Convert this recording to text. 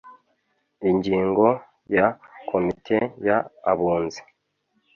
Ingingo ya komite y abunzi